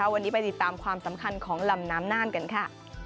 วันนี้ไปติดตามความสำคัญของลำน้ำน่านกันค่ะ